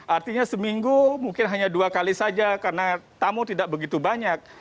artinya seminggu mungkin hanya dua kali saja karena tamu tidak begitu banyak